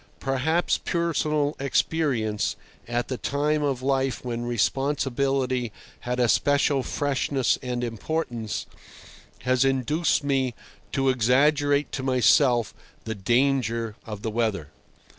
Perhaps personal experience, at a time of life when responsibility had a special freshness and importance, has induced me to exaggerate to myself the danger of the weather.